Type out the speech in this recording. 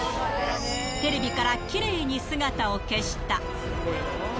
テレビからきれいに姿を消した。